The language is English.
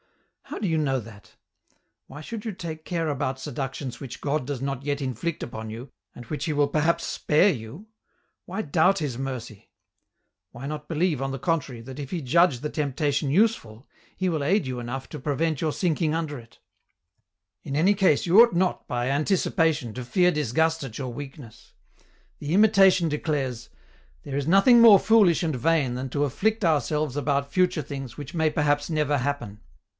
How do you know that ? why should you take care about seductions which God does not yet inflict upon you, and which He will perhaps spare you ? Why doubt His mercy ? Why not believe, on the contrary, that if He judge the temptation useful, He will aid you enough to prevent your sinking under it ? EN ROUTE. 127 "In any case you ought not, by anticipation, to fear dis gust at your weakness ; the Imitation declares ' There is nothing more foolish and vain, than to afflict ourselves about future things which may perhaps nevei happen.'